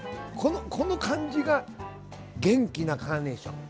この感じが元気なカーネーション。